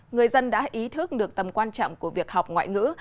người dân đã ý thức được tầm quan trọng của việc học ngoại ngữ